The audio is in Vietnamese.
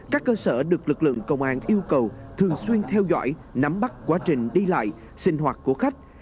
các cơ sở được lực lượng công an yêu cầu thường xuyên theo dõi nắm bắt quá trình đi lại sinh hoạt của khách